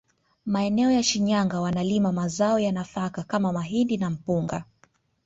Maeneo ya Shinyanga wanalima mazao ya nafaka kama mahindi na mpunga